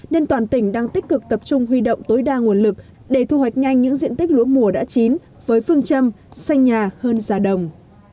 nên toàn tỉnh đang tích cực tập trung huy động tối đa nguồn lực để thu hoạch nhanh những diện tích lúa mùa đã chín với phương châm xanh nhà hơn giá đồng